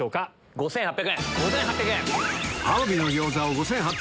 ５８００円。